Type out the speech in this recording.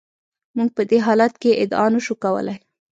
موږ په دې حالت کې ادعا نشو کولای.